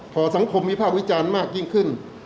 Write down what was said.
พอสังคมวิภาควิจารณ์มากยิ่งขึ้น